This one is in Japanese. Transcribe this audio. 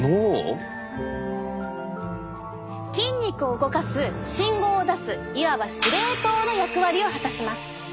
筋肉を動かす信号を出すいわば司令塔の役割を果たします。